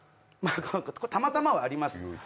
たまたまはあります。